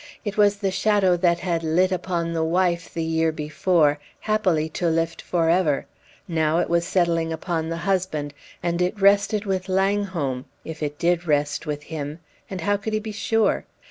It was the shadow that had lit upon the wife the year before, happily to lift forever; now it was settling upon the husband; and it rested with Langholm if it did rest with him and how could he be sure?